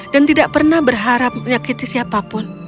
dan tidak pernah berharap menyakiti siapapun